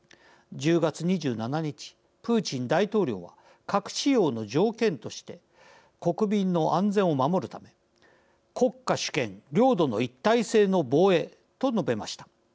１０月２７日、プーチン大統領は核使用の条件として「国民の安全を守るために国家主権、領土の一体性の防衛」と述べました。